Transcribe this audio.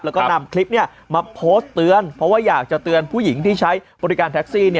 แล้วก็นำคลิปมาโพสต์เตือนเพราะว่าอยากจะเตือนผู้หญิงที่ใช้บริการแท็กซี่